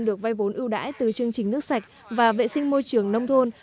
được vay vốn ưu đãi từ chương trình nước sạch và vệ sinh môi trường nông thôn